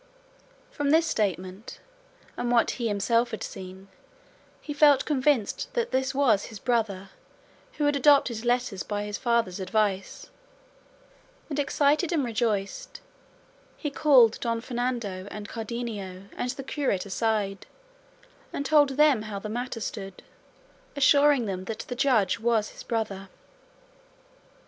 From this statement, and what he himself had seen, he felt convinced that this was his brother who had adopted letters by his father's advice; and excited and rejoiced, he called Don Fernando and Cardenio and the curate aside, and told them how the matter stood, assuring them that the judge was his brother.